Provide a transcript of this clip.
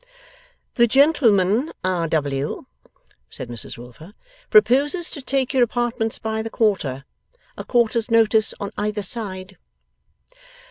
'The gentleman, R. W.,' said Mrs Wilfer, 'proposes to take your apartments by the quarter. A quarter's notice on either side.